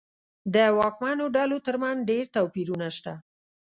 د واکمنو ډلو ترمنځ ډېر توپیرونه شته.